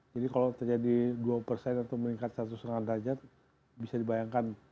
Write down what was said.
jadi kalau terjadi dua atau meningkat satu setengah derajat bisa dibayangkan